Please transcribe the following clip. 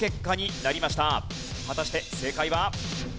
果たして正解は？